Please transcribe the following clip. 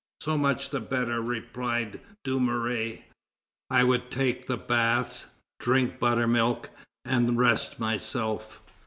"So much the better," replied Dumouriez; "I would take the baths, drink butter milk, and rest myself."